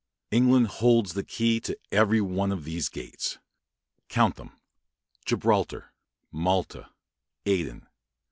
England holds the key to every one of these gates. Count them Gibraltar, Malta, Aden.